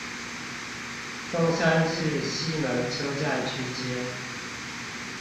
松山至西門車站區間